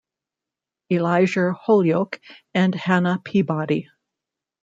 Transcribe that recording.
Elizur Holyoke and Hannah Peabody.